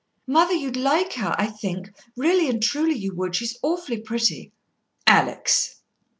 "Mother, you'd like her, I think, really and truly you would. She's awfully pretty." "Alex!"